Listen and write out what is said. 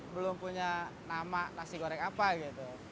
belum punya nama nasi goreng apa gitu